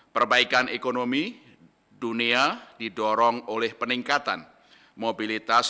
perbaikan ekonomi dunia didorong oleh peningkatan mobilitas